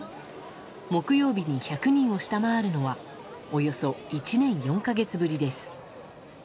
木曜日に１００人を下回るのはおよそ１年４か月ぶりです。